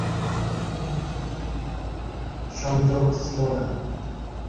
সংযোগ শিরোনাম